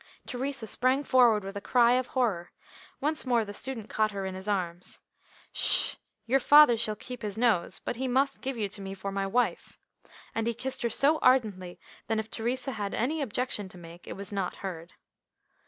Theresa sprang forward with a cry of horror. Once more the student caught her in his arms. "Ssh! Your father shall keep his nose, but he must give you to me for my wife." And he kissed her so ardently that if Theresa had any objection to make, it was not heard.